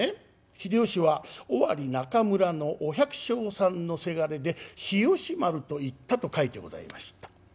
「秀吉は尾張中村のお百姓さんのせがれで日吉丸といった」と書いてございました。